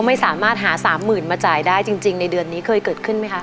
ไม่สามารถหาสามหมื่นมาจ่ายได้จริงในเดือนนี้เคยเกิดขึ้นไหมคะ